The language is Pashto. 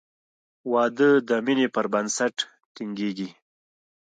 • واده د مینې پر بنسټ ټینګېږي.